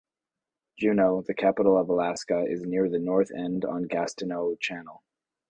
Juneau, the capital of Alaska, is near the north end, on Gastineau Channel.